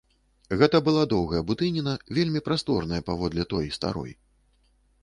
Гэта была даўгая будыніна, вельмі прасторная, паводле той старой.